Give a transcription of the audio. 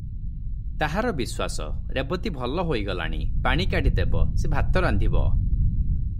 ତାହାର ବିଶ୍ୱାସ, ରେବତୀ ଭଲ ହୋଇଗଲାଣି, ପାଣି କାଢ଼ି ଦେବ, ସେ ଭାତ ରାନ୍ଧିବ ।